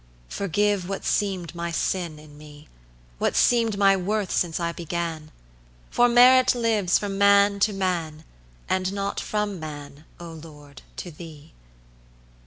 Forgive what seem'd my sin in me; What seem'd my worth since I began; For merit lives from man to man, And not from man, O Lord, to thee.